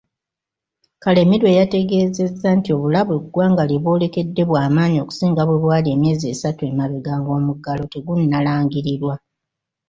Karemire yategeezezza nti obulabe eggwanga lyebwolekedde bwamaanyi okusinga bwebwali emyezi esatu emabega ng'omuggalo tegunnalangirirwa.